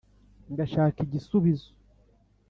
ngashaka igisubizo